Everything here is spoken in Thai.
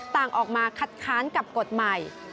ต่างออกมาคัดค้านกับกฎใหม่